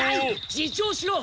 自重しろ！